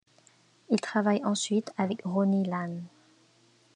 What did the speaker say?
Il travaille ensuite avec Ronnie Lane.